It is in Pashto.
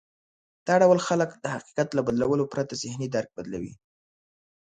دا ډول خلک د حقيقت له بدلولو پرته ذهني درک بدلوي.